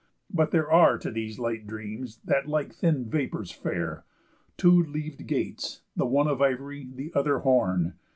But there are To these light dreams, that like thin vapours fare, Two two leav'd gates, the one of ivory, The other horn.